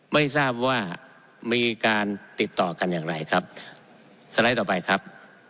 ไม่ทราบว่ามีการติดต่อกันอย่างไรครับสไลด์ต่อไปครับ